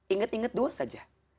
inget inget dua saja